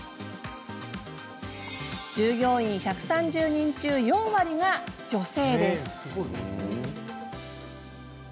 従業員１３０人中４割が女性です。